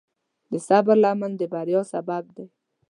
د صبر لمن د بریا سبب دی.